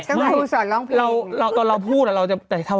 ตอนเราพูดแล้วเราจะ